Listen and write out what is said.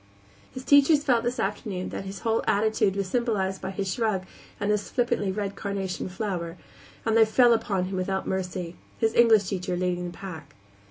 His teachers felt this afternoon that his whole attitude was symbolized by his shrug and his flippantly red carnation flower, and they fell upon him without mercy, his English teacher leading the pack.